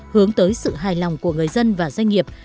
hướng tới sự hài lòng của người dân và doanh nghiệp